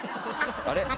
あれ？